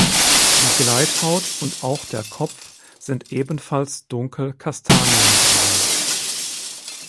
Die Gleithaut und auch der Kopf sind ebenfalls dunkel kastanienbraun.